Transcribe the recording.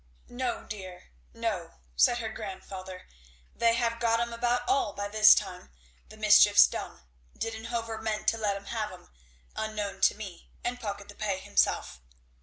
"No, dear, no," said her grandfather, "they have got 'em about all by this time; the mischief's done. Didenhover meant to let 'em have 'em unknown to me, and pocket the pay himself.